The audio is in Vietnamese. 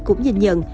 cũng nhìn nhận